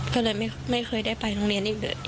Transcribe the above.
ก็เลยไม่เคยได้ไปโรงเรียนอีกเลย